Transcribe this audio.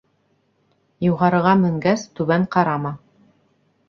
Юғарыға менгәс, түбән ҡарама.